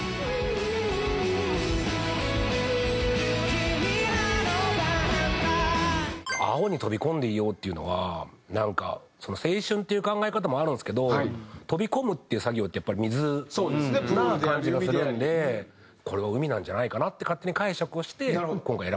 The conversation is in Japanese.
「君らの番だ」「青に飛び込んで居よう」っていうのがなんか青春っていう考え方もあるんですけど飛び込むっていう作業ってやっぱり水な感じがするんでこれは海なんじゃないかなって勝手に解釈をして今回選ばさせていただいた。